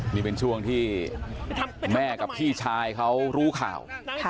นี่เป็นช่วงที่แม่กับพี่ชายเขารู้ข่าว